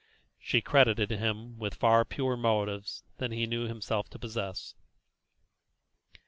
She credited him with far purer motives than he knew himself to possess.